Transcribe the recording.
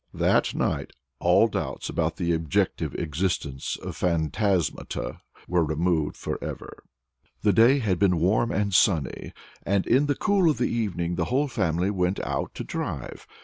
That night all doubts about the objective existence of phantasmata were removed forever. The day had been warm and sunny; and, in the cool of the evening, the whole family went out to drive.